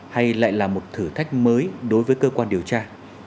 hay lại là một thử thách mới đối với cơ quan điều tra